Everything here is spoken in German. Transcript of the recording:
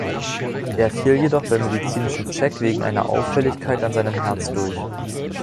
Er fiel jedoch beim medizinischen Check wegen einer Auffälligkeit an seinem Herz durch.